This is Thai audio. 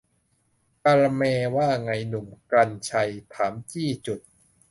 กาละแมร์ ว่าไง หนุ่ม กรรชัย ถามจี้จุด